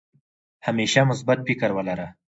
همېشه مثبت فکر ولره